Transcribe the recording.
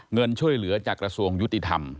เงินช่วยเหลือจากกระทรวงยุติธรรม